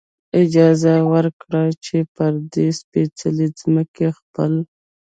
اجازه ورکړه، چې پر دې سپېڅلې ځمکې خپل.